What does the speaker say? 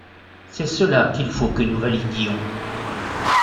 C’est cela qu’il faut que nous validions.